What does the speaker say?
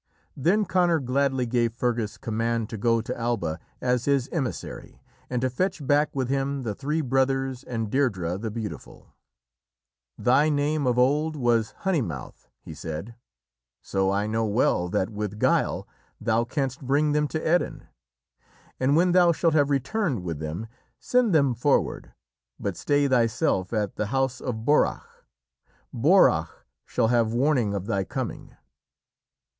Then Conor gladly gave Fergus command to go to Alba as his emissary, and to fetch back with him the three brothers and Deirdrê the Beautiful. "Thy name of old was Honeymouth," he said, "so I know well that with guile thou canst bring them to Erin. And when thou shalt have returned with them, send them forward, but stay thyself at the house of Borrach. Borrach shall have warning of thy coming."